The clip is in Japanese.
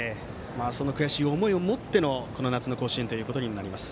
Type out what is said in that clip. その悔しい思いを持ってのこの夏の甲子園となります。